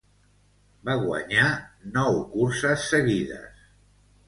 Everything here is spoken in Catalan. Va guanyar nou curses seguides.